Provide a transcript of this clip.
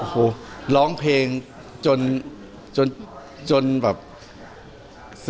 และได้มีการยกเรื่องคุณธรรมนัส